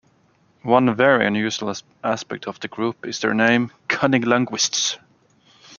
One very unusual aspect of the group is their name, CunninLynguists.